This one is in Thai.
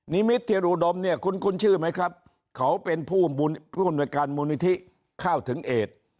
นิมิตเทียนอุดมเนี่ยคุ้นชื่อไหมครับเขาเป็นผู้อำนวยการมูลนิธิเข้าถึงเอด